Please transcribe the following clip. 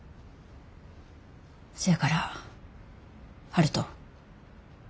せやから悠人。